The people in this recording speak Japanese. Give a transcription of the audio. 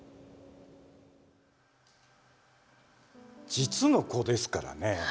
実の子ですからね